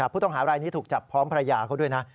ผู้ต้องหารายนี้ถูกจับพร้อมภรรยาเขาด้วยนะ